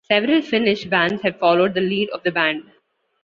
Several Finnish bands have followed the lead of that band.